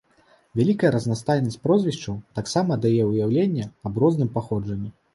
Вялікая разнастайнасць прозвішчаў таксама дае ўяўленне аб розным паходжанні.